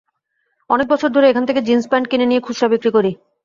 অনেক বছর ধরে এখান থেকে জিনস প্যান্ট কিনে নিয়ে খুচরা বিক্রি করি।